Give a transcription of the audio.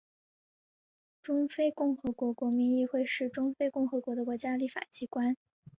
中非共和国国民议会是中非共和国的国家立法机关。